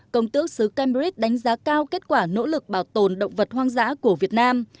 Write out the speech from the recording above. công tước sứ cambrid đánh giá cao kết quả nỗ lực bảo tồn động vật hoang dã của việt nam